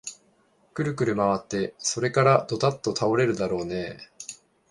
くるくるまわって、それからどたっと倒れるだろうねえ